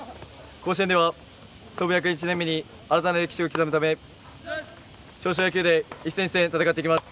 甲子園では創部１０１年目に新たな歴史を刻むため長商野球で一戦一戦戦っていきます。